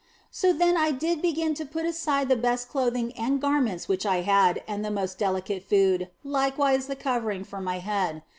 So then I did begin to put aside the best clothing and garments which I had and the most delicate food, likewise the covering for my head.